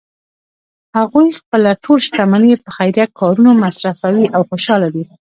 هغوی خپله ټول شتمني په خیریه کارونو مصرفوی او خوشحاله دي